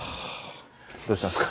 どうしたんですか？